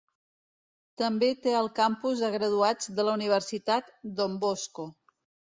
També té el campus de graduats de la Universitat Don Bosco.